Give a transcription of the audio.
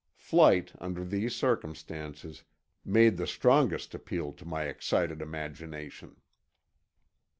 Flight, under these circumstances, made the strongest appeal to my excited imagination.